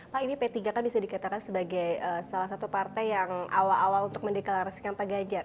pak ini p tiga kan bisa dikatakan sebagai salah satu partai yang awal awal untuk mendeklarasikan pak ganjar